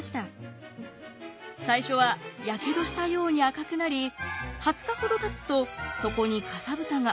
最初は火傷したように赤くなり２０日ほどたつとそこにかさぶたが。